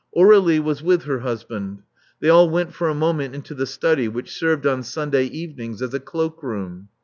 Aur^lie was with her husband. They all went for a moment into the study, which served on Sunday evenings as a cloak room.